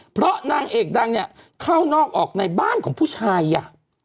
เพราะนางเอกดังเนี่ยเข้านอกออกในบ้านของผู้ชายอ่ะ